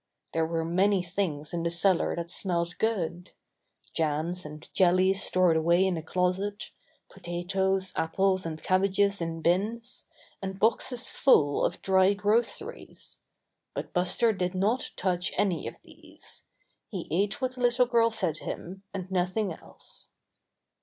There were many things in the cellar that smelt good — jams and jellies stored away in a closet, potatoes, apples and cabbages in bins, and boxes full of dry groceries — but Buster did not touch any of these. He ate what the little girl fed him, and nothing else.